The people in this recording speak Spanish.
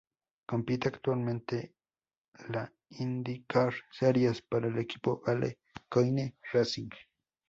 Compite actualmente la IndyCar Series, para el equipo Dale Coyne Racing.